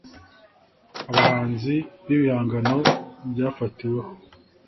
abahanzi b ibihangano byafatiweho